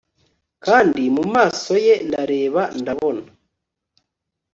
Kandi mumaso ye ndareba ndabona